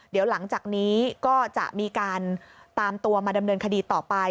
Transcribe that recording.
เดี๋ยวหลังจากนี้ก็จะมีการตามตัวมาดำเนินคดีต่อไป